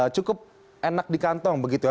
cukup enak di kantong begitu ya